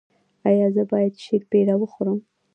ایا زه باید شیرپیره وخورم؟